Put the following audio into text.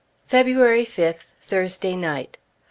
February 5th, Thursday night.